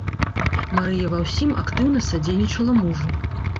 Марыя ва ўсім актыўна садзейнічала мужу.